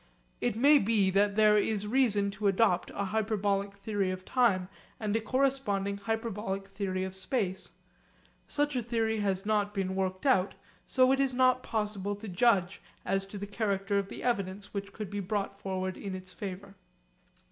It may be that there is reason to adopt a hyperbolic theory of time and a corresponding hyperbolic theory of space. Such a theory has not been worked out, so it is not possible to judge as to the character of the evidence which could be brought forward in its favour.